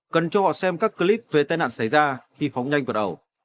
cần cho họ xem các clip về tai nạn xảy ra khi phóng nhanh vật ẩu